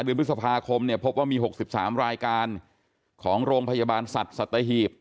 เดือนพฤษภาคมเนี่ยพบว่ามี๖๓รายการของโรงพยาบาลสัตว์สัตหีบ